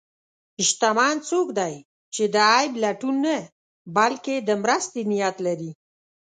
شتمن څوک دی چې د عیب لټون نه، بلکې د مرستې نیت لري.